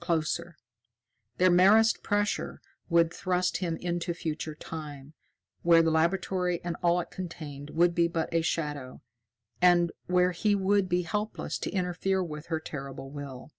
Closer. Their merest pressure would thrust him into Future Time, where the laboratory and all it contained would be but a shadow, and where he would be helpless to interfere with her terrible will.